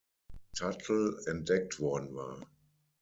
Tuttle entdeckt worden war.